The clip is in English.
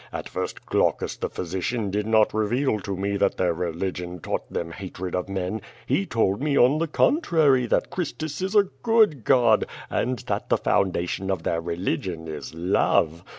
At first Glaucus, the physician, did not reveal to me that their religion tauglit them hatred of men. He told me, on the contrary, that Christus is a good Qod, and that the foundation of their religion is love.